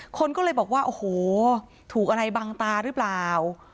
คนก็เลยบอกว่าโอ้โหถูกอะไรบังตาหรือเปล่า